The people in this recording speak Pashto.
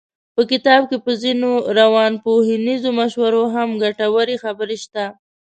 په کتاب کې په ځينو روانپوهنیزو مشورو هم ګټورې خبرې شته.